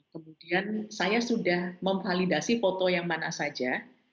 kemudian saya sudah memvalidasi foto yang mana saja